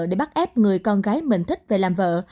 để bắt ép người con gái mình thích về làm vợ